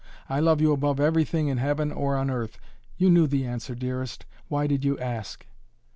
I love you above everything in heaven or on earth. You knew the answer, dearest. Why did you ask?"